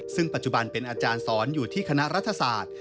ซึ่งปัจจุบันเป็นอาจารย์สอนอยู่ที่คณะรัฐศาสตร์